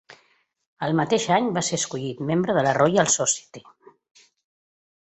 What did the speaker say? El mateix any va ser escollit membre de la Royal Society.